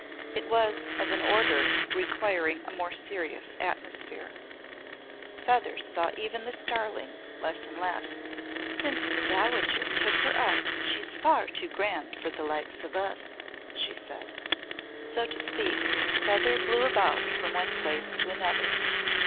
It was of an order requiring a more serious atmosphere. Feather saw even the Starling less and less. "Since the Dowager took her up she's far too grand for the likes of us," she said. So to speak, Feather blew about from one place to another.